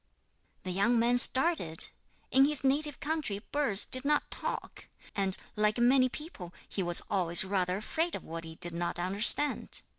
The young man started. In his native country birds did not talk, and, like many people, he was always rather afraid of what he did not understand.